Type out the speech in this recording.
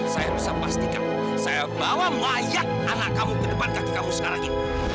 saya bisa pastikan saya bawa mayat anak kamu ke depan kaki kamu sekarang ini